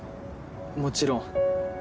もちろん。